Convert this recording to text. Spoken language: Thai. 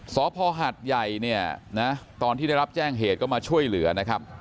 สพหัดใหญ่เนี่ยนะตอนที่ได้รับแจ้งเหตุก็มาช่วยเหลือนะครับ